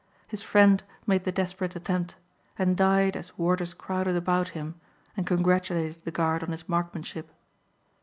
His friend made the desperate attempt and died as warders crowded about him and congratulated the guard on his markmanship.